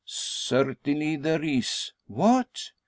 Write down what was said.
"Certainly there is." "What?"